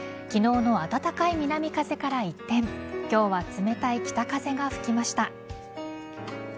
昨日の暖かい南風から一転今日は冷たい北風が吹きました。